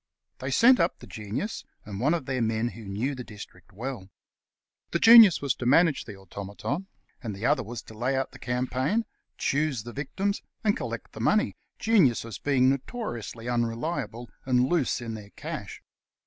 They sent up the Genius, and one of their men who knew the district well. The Genius was to manage the automaton, and the other was to lay out the campaign, choose the victims, and collect 24 The Cast iron Canvasser the money, geniuses being notoriously unreliable and loose in their cash.